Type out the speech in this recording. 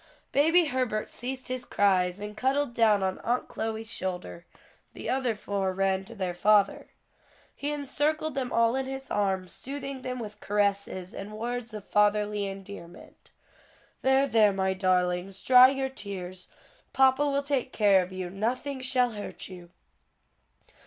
Baby Herbert ceased his cries and cuddled down on Aunt Chloe's shoulder; the other four ran to their father. He encircled them all in his arms, soothing them with caresses and words of fatherly endearment. "There, there, my darlings, dry your tears; papa will take care of you; nothing shall hurt you."